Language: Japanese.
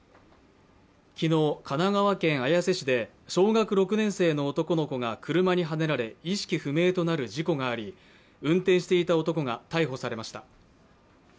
昨日、神奈川県綾瀬市で小学６年生の男の子が車にはねられ意識不明となる事故があり運転していた男が逮捕されました。